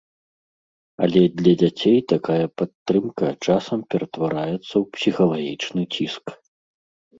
Але для дзяцей такая падтрымка часам ператвараецца ў псіхалагічны ціск.